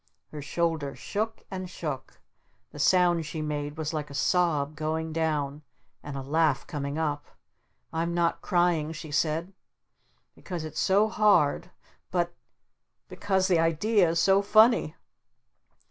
Her shoulders shook and shook. The sound she made was like a sob going down and a laugh coming up. "I'm not crying," she said, "because it's so hard but b because the idea is so f funny."